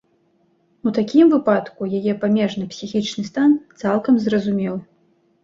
У такім выпадку яе памежны псіхічны стан цалкам зразумелы.